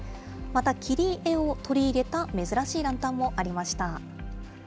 また切り絵を取り入れた珍しいランタンもありました。